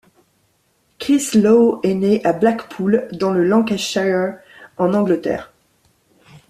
Chris Lowe est né à Blackpool, dans le Lancashire, en Angleterre.